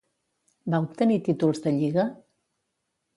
Va obtenir títols de lliga?